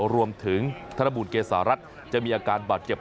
รวมถึงธนบูลเกษารัฐจะมีอาการบาดเจ็บ